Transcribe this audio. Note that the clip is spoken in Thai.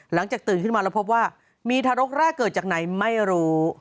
ตื่นขึ้นมาแล้วพบว่ามีทารกแรกเกิดจากไหนไม่รู้